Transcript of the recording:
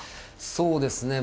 そうですね